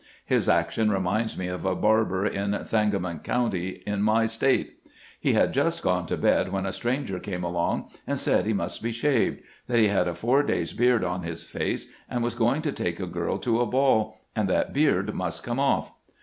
His action reminds me of a barber in Sangamon County in my State. He had just gone to bed when a stranger came along and said he must be shaved ; that he had a four days' beard on his face, and was going to take a girl to a baU, and that beard must come off.